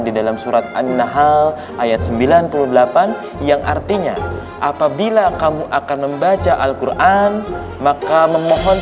di dalam surat an nahal ayat sembilan puluh delapan yang artinya apabila kamu akan membaca al quran maka memohon